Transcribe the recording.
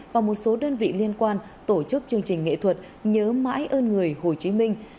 và một số đơn vị liên quan tổ chức chương trình nghệ thuật nhớ mãi ơn người hồ chí minh